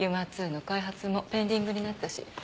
ＵＭＡ−Ⅱの開発もペンディングになったし。